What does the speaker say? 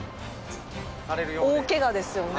大怪我ですよね。